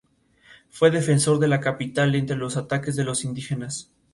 Fue defensor de la capital ante los ataques de los indígenas.